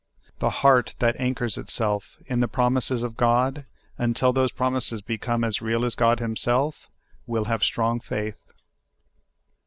The heart that anchors itself in the promises of God, until those promises become as real as God himself, will have strong faith.